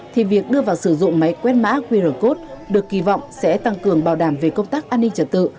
thì việc đưa vào sử dụng máy quét mã qr code được kỳ vọng sẽ tăng cường bảo đảm về công tác an ninh trật tự